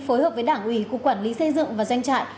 phối hợp với đảng ủy cục quản lý xây dựng và doanh trại